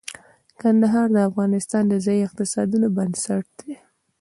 کندهار د افغانستان د ځایي اقتصادونو بنسټ دی.